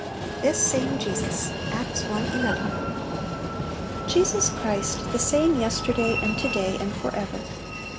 "This same Jesus." — Acts i. 11. JESUS CHRIST, the same yester I day, and to day, and forever."